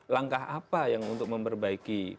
langkah apa yang untuk memperbaiki